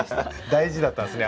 大事だったんですね